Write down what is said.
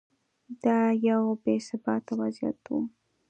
دا یو بې ثباته وضعیت و.